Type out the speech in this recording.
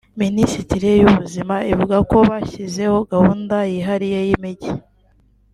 Minisiteri y’ubuzima ivuga ko bashyizeho gahunda yihariye y’imijyi